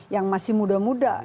yang masih muda muda